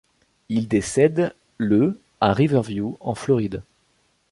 Il décède le à Riverview en Floride.